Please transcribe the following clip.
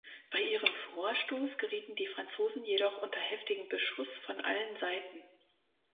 Bei ihrem Vorstoß gerieten die Franzosen jedoch unter heftigen Beschuss von allen Seiten.